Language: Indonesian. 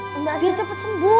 biar cepat sembuh